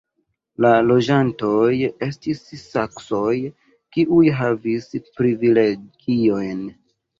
La loĝantoj estis saksoj, kiuj havis privilegiojn.